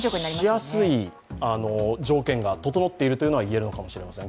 爆発しやすい条件が整っているというのがいえるのかもしれません。